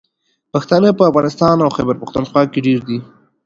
پښتانه په افغانستان او خیبر پښتونخوا کې ډېر دي.